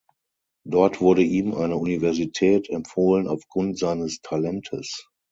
Dort wurde ihm eine Universität empfohlen aufgrund seines Talentes.